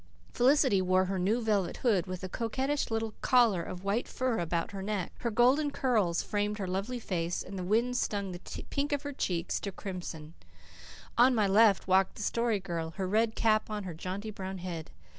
Felicity wore her new velvet hood, with a coquettish little collar of white fur about her neck. Her golden curls framed her lovely face, and the wind stung the pink of her cheeks to crimson. On my left hand walked the Story Girl, her red cap on her jaunty brown head.